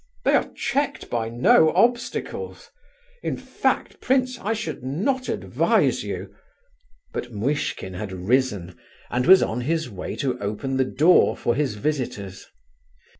They are checked by no obstacles. In fact, prince, I should not advise you..." But Muishkin had risen, and was on his way to open the door for his visitors.